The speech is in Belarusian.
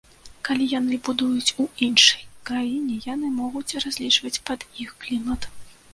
Калі яны будуюць у іншай краіне, яны могуць разлічваць пад іх клімат.